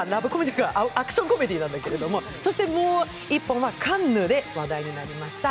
アクションコメディーなんだけれども、そしてもう一本はカンヌで話題になりました